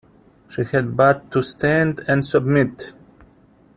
She had but to stand and submit.